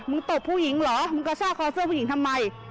ตบผู้หญิงเหรอมึงกระชากคอเสื้อผู้หญิงทำไม